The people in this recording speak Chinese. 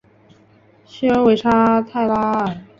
谢尔韦沙泰拉尔。